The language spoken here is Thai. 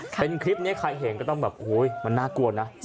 เป็นคลิปนี้ใครเห็นก็ต้องแบบโอ้ยมันน่ากลัวนะ